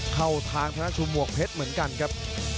เข้าทางธนชูหมวกเพชรเหมือนกันครับ